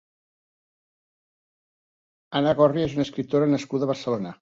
Ana Gorría és una escriptora nascuda a Barcelona.